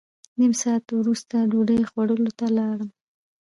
نیم ساعت وروسته ډوډۍ خوړلو ته لاړم.